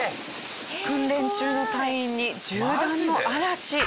訓練中の隊員に銃弾の嵐。